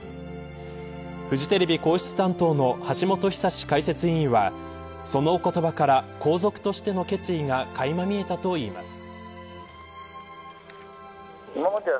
フジテレビ皇室担当の橋本寿史解説委員はそのお言葉から皇族としての決意がかいま見えたといいます。